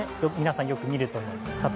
皆さん、よく見ると思います。